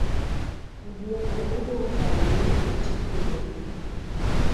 Uduogo karang'o kutieko wuoth?